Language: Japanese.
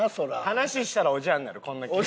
話したらおじゃんになるこんな企画。